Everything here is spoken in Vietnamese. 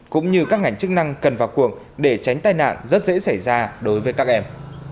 cũng như các ngành chức năng cần vào cuộc để tránh tai nạn rất dễ xảy ra đối với các em